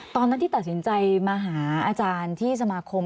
ตอนนั้นที่ตัดสินใจมาหาอาจารย์ที่สมาคม